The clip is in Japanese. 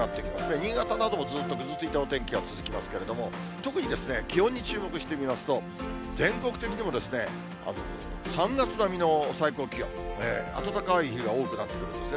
新潟などもずーっとぐずついたお天気が続きますけれども、特に、気温に注目してみますと、全国的にも３月並みの最高気温、暖かい日が多くなってくるんですね。